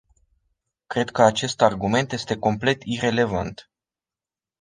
Cred că acest argument este complet irelevant.